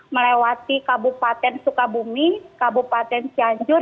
melewati kabupaten sukabumi kabupaten cianjur